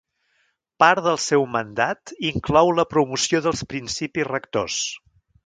Part del seu mandat inclou la promoció dels Principis Rectors.